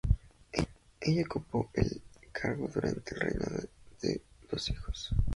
Ella ocupó el cargo durante el reinado de dos hijos.